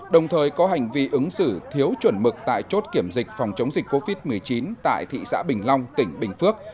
đồng thời có hành vi ứng xử thiếu chuẩn mực tại chốt kiểm dịch phòng chống dịch covid một mươi chín tại thị xã bình long tỉnh bình phước